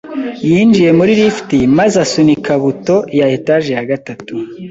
yinjiye muri lift maze asunika buto ya etage ya gatatu.